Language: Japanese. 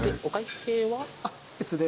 別で。